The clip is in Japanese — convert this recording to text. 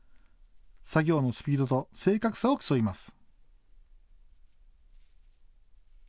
作業のスピードと正確さを競います。